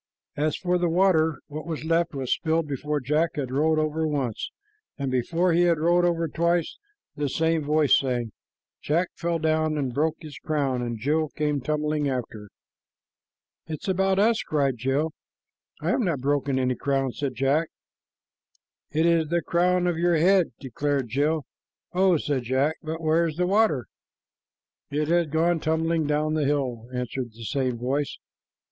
As for the water, what was left was spilled before Jack had rolled over once; and before he had rolled over twice, the same voice sang, "Jack fell down And broke his crown, And Jill came tumbling after." "It is about us," cried Jill. "I have not broken any crown," said Jack. "It is the crown of your head," declared Jill. "Oh!" said Jack; "but where's the water?" "It has gone tumbling down the hill," answered the same voice.